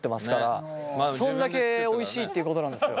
そんだけおいしいっていうことなんですよ。